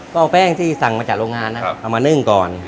ก็เอาแป้งที่สั่งมาจากโรงงานนะครับเอามานึ่งก่อน